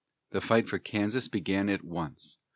The fight for Kansas began at once.